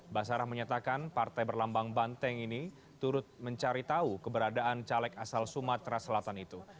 basarah menyatakan partai berlambang banteng ini turut mencari tahu keberadaan caleg asal sumatera selatan itu